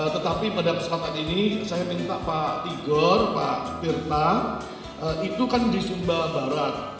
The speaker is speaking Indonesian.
tetapi pada kesempatan ini saya minta pak tigor pak firta itu kan di sumbawa barat